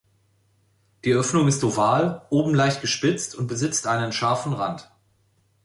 Die Öffnung ist oval, oben leicht gespitzt und besitzt einen scharfen Rand.